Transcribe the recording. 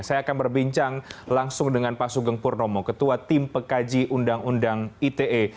saya akan berbincang langsung dengan pak sugeng purnomo ketua tim pekaji undang undang ite